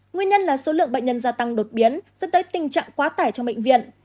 nguyên nhân là số lượng bệnh nhân gia tăng đột biến dẫn tới tình trạng quá tải trong bệnh viện